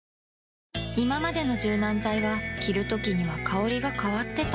いままでの柔軟剤は着るときには香りが変わってた